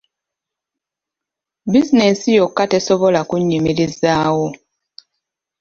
Bizinensi yokka tesobola kunnyimirizaawo.